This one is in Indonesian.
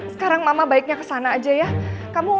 sekarang mama baiknya kesana aja ya